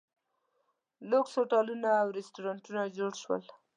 لوکس هوټلونه او ریسټورانټونه جوړ شول.